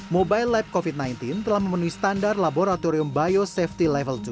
mobile lab covid sembilan belas telah memenuhi standar laboratorium biosafety level dua